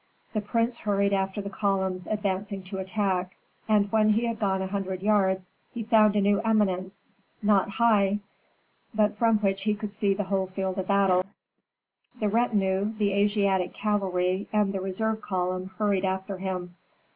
The prince hurried after the columns advancing to attack, and when he had gone a hundred yards he found a new eminence, not high, but from which he could see the whole field of battle. The retinue, the Asiatic cavalry, and the reserve column hurried after him.